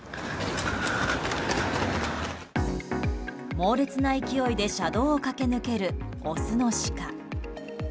猛烈な勢いで車道を駆け抜けるオスのシカ。